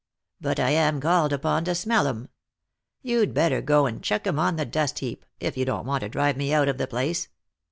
" But I am called upon to smell 'em. You'd better go and chuck 'em on the dustheap, if you don't want to drive me out of the place.